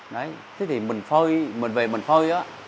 đấy thế thì mình phơi mình về mình phơi á